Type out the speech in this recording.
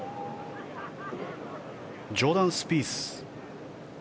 ジョーダン・スピース